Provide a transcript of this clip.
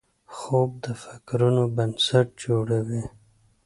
خوب د فکرونو بنسټ جوړوي